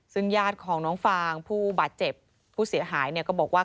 ซึ่งญาติของน้องฟางผู้บาดเจ็บผู้เสียหายเนี่ยก็บอกว่า